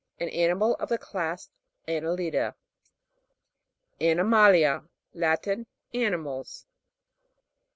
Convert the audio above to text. An animal of the class anel'lida. ANIMA'LIA. Latin. Animals.